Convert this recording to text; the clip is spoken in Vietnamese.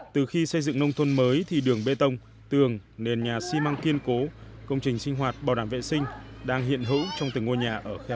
từ khi xây dựng nông thôn mới thì đường bê tông tường nền nhà xi măng kiên cố công trình sinh hoạt bảo đảm vệ sinh đang hiện hữu trong từng ngôi nhà ở khe